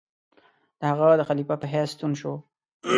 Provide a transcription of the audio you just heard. د هغه د خلیفه په حیث ستون شو.